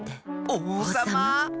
おうさま？